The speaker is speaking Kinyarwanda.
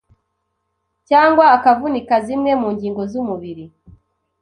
cyangwa akavunika zimwe mu ngingo z’umubiri